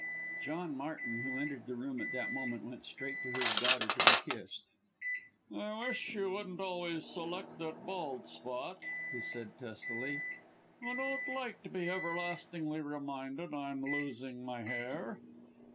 John Martin, who entered the room at that moment, went straight to his daughter to be kissed. "I wish you wouldn't always select that bald spot," he said testily, "I don't want to be everlastingly reminded I'm losing my hair."